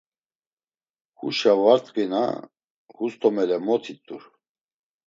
Huşa var tkvina hus do mele mot it̆ur.